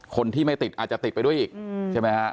คนที่ไม่ติดอาจจะติดไปด้วยอีกใช่ไหมฮะ